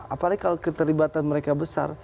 apalagi kalau keterlibatan mereka besar